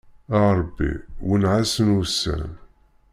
A Ṛebbi wenneɛ-asen ussan.